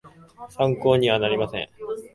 参考になるかはわかりません